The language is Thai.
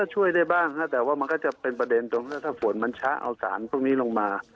ช่วยได้บ้างแต่ว่ามันก็จะเป็นประเด็นตรงถ้าฝนมันช้าเอาสารพวกนี้ลงมา